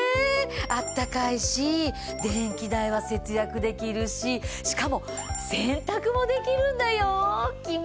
あったかいし電気代は節約できるししかも洗濯もできるんだよ！